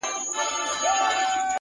o هغه چي ځان زما او ما د ځان بولي عالمه،